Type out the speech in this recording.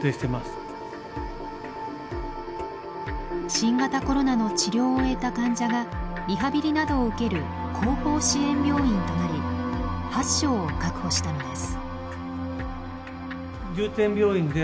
新型コロナの治療を終えた患者がリハビリなどを受ける後方支援病院となり８床を確保したのです。